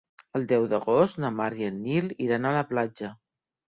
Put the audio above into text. El deu d'agost na Mar i en Nil iran a la platja.